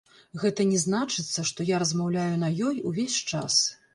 Гэта не значыцца, што я размаўляю на ёй увесь час.